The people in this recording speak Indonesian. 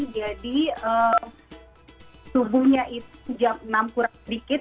jadi subuhnya itu jam enam kurang sedikit